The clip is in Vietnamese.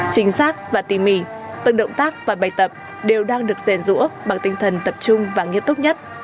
chính xác và tỉ mỉ từng động tác và bài tập đều đang được rèn rũa bằng tinh thần tập trung và nghiêm túc nhất